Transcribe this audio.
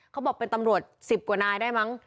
เขาบอกเป็นตำรวจ๑๐กว่านายได้มั้ง